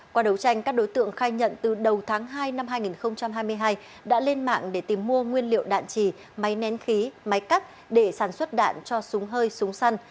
qua đấu tranh các đối tượng khai nhận từ đầu tháng hai năm hai nghìn hai mươi hai đã lên mạng để tìm mua nguyên liệu đạn trì máy nén khí máy cắt để sản xuất đạn cho súng hơi súng săn